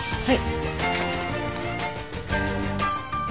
はい。